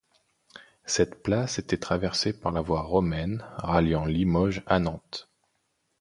Cette place était traversée par la voie romaine ralliant Limoges à Nantes.